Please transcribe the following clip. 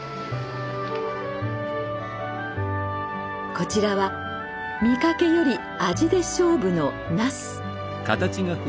こちらは見かけより味で勝負のなす。